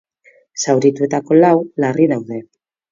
Zaurituetako lau larri daude.